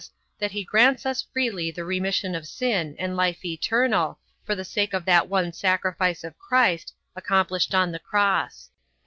that he grants us freely the remission of sin, and life eternal, for the sake of that one sacrifice of Christ, accomplished on the cross.